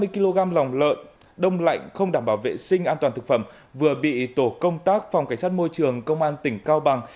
sáu mươi kg lòng lợn đông lạnh không đảm bảo vệ sinh an toàn thực phẩm vừa bị tổ công tác phòng cảnh sát môi trường công an tỉnh cao bằng